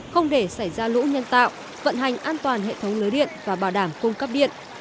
không để xảy ra lũ nhân tạo vận hành an toàn hệ thống lưới điện và bảo đảm cung cấp điện